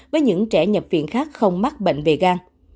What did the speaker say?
với những trẻ nhập viện khác không mắc bệnh về gan